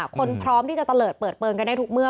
คนพร้อมที่จะเตลิดเปิดเปินกันได้ทุกเมื่อ